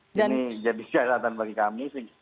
ini jadi catatan bagi kami